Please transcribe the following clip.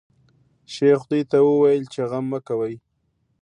شیخ دوی ته وویل چې غم مه کوی.